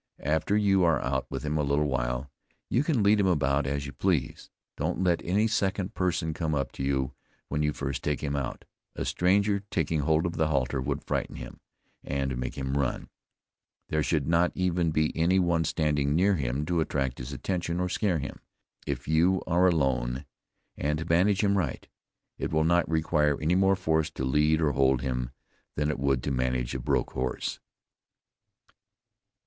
After you are out with him a little while, you can lead him about as you please. Don't let any second person come up to you when you first take him out; a stranger taking hold of the halter would frighten him, and make him run. There should not even be any one standing near him to attract his attention, or scare him. If you are alone, and manage him right, it will not require any more force to lead or hold him than it would to manage a broke horse.